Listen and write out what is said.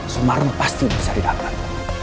sumarung pasti bisa didapat